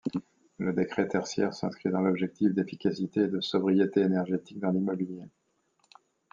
Le décret tertiaire s'inscrit dans l'objectif d'efficacité et de sobriété énergétiques dans l'immobilier.